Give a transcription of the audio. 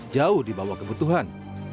jauh dibawah kebutuhan